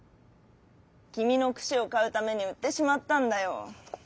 「きみのくしをかうためにうってしまったんだよ。